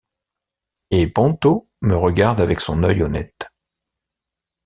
Et Ponto me regarde avec son œil honnête.